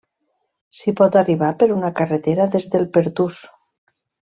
S'hi pot arribar per una carretera des del Pertús.